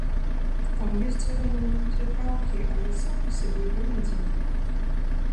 Там ёсць, вядома, унутры праўкі, але сам па сабе ён адзін.